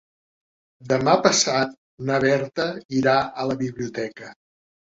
Demà passat na Berta irà a la biblioteca.